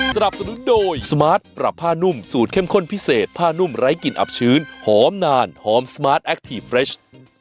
สนับสนุนโดยสมาร์ทปรับผ้านุ่มสูตรเข้มข้นพิเศษผ้านุ่มไร้กลิ่นอับชื้นหอมนานหอมสมาร์ทแอคทีฟเรช